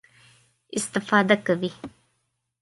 استفاده کوي.